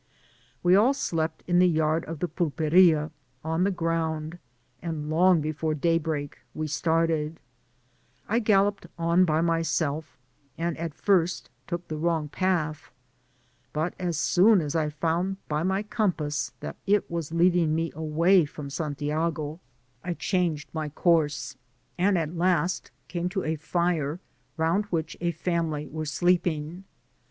We all slept in the yard of the pulperiaj on the ground, and long, before day^break we started, I galloped on by myself, and at first took the wrong path; but as soon as I found by my compass that it was leading me away from Santiago, I changed my course, and at last came to a fire, round which a family were sleeping.